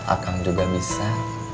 akan juga bisa